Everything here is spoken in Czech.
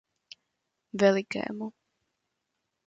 Velikému.